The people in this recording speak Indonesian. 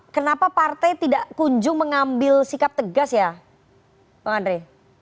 kenapa partai tidak kunjung mengambil sikap tegas ya bang andre